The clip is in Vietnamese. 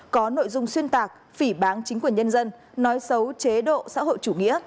có nội dung xuyên tạc phỉ bán chính quyền nhân dân nói xấu chế độ xã hội chủ nghĩa